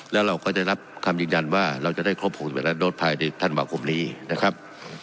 แล้วเราก็จะรับคำยืนยันว่าเราจะได้ครบ๖๑ล้านโดสภายในธันวาคมนี้นะครับ